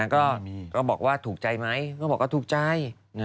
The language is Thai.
ก็บอกว่าถูกใจไหมก็บอกว่าถูกใจ